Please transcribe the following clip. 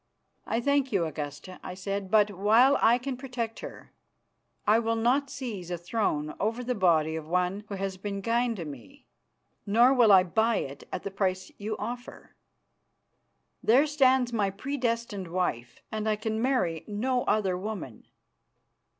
"I thank you, Augusta," I said, "but, while I can protect her, I will not seize a throne over the body of one who has been kind to me, nor will I buy it at the price you offer. There stands my predestined wife, and I can marry no other woman."